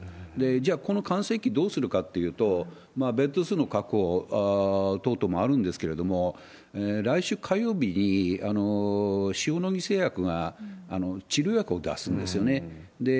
じゃあ、この閑静機、どうするかというと、ベッド数の確保等々もあるんですけれども、来週火曜日に塩野義製薬が治療薬を出すんですよね。